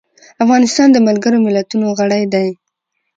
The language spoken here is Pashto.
افغانستان د ملګرو ملتونو غړی دی.